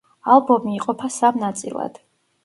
ალბომი იყოფა სამ ნაწილად.